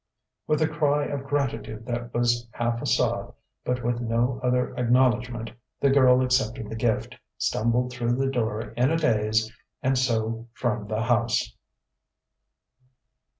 With a cry of gratitude that was half a sob, but with no other acknowledgment, the girl accepted the gift, stumbled through the door in a daze, and so from the house.